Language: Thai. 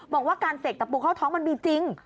บอกว่าการเสกตะปูเข้าท้องมันมีจริง